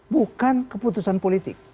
bukan keputusan politik